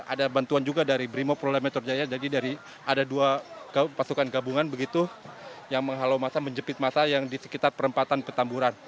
ada bantuan juga dari brimob polda metro jaya jadi dari ada dua pasukan gabungan begitu yang menghalau masa menjepit masa yang di sekitar perempatan petamburan